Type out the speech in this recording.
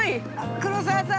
◆黒沢さん